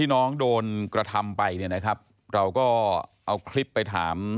น้องโดนกระทำไปเราก็เอาคลิปไปถาม